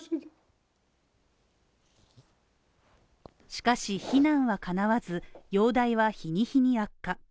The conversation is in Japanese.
しかし避難はかなわず、容体は日に日に悪化。